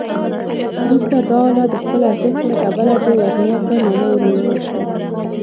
وروسته دا آله د خپل ارزښت له کبله د ورنیه په نامه ونومول شوه.